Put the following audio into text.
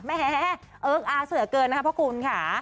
แม่เอิ๊กอาร์เสือเกินนะคะพ่อคุณค่ะ